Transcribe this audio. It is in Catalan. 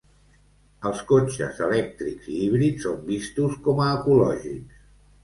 Els cotxes elèctrics i híbrids són vistos com a ecològics.